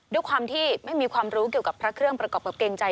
ด้วยความที่ไม่มีความรู้เกี่ยวกับพระเครื่องประกอบกับเกรงใจ